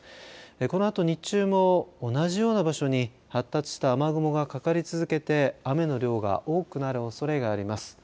このあと日中も同じような場所に発達した雨雲がかかり続けて雨の量が多くなるおそれがあります。